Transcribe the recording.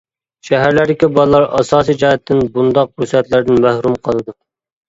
شەھەرلەردىكى بالىلار ئاساسىي جەھەتتىن بۇنداق پۇرسەتلەردىن مەھرۇم قالىدۇ.